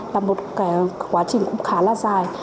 là một cái quá trình cũng khá là dài